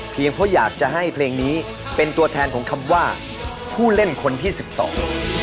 เพราะอยากจะให้เพลงนี้เป็นตัวแทนของคำว่าผู้เล่นคนที่สิบสอง